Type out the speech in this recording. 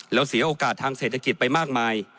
แล้วเสียโอกาสทางเศรษฐกิจไปมากมาย